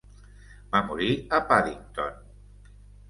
Va morir a Paddington.